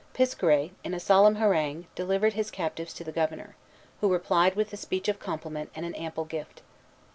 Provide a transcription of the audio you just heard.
Piskaret, in a solemn harangue, delivered his captives to the Governor, who replied with a speech of compliment and an ample gift.